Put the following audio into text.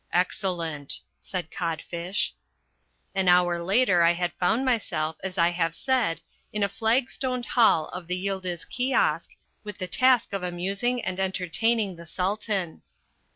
"Excellent," said Codfish. An hour later I found myself, as I have said, in a flag stoned hall of the Yildiz Kiosk, with the task of amusing and entertaining the Sultan.